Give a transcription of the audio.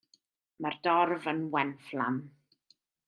Mae'r dorf yn wenfflam.